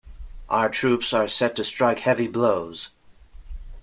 Our troops are set to strike heavy blows.